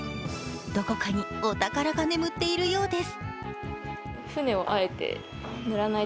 どこかにお宝が眠っているようです。